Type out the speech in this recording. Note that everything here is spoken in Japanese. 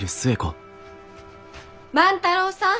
万太郎さん！